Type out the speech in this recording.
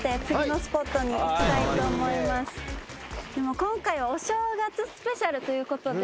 今回はお正月スペシャルということで。